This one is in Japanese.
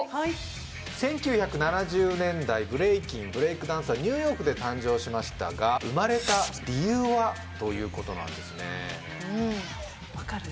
１９７０年代ブレイキンブレイクダンスはニューヨークで誕生しましたが生まれた理由は？ということなんですね分かる？